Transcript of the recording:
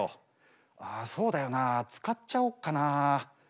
そうだよな使っちゃおっかな。